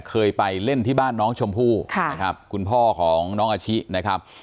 เคยไปเล่นที่บ้านน้องชมพู่นะครับคุณพ่อของน้องอาชินะครับ